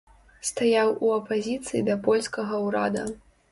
Стаяў у апазіцыі да польскага ўрада.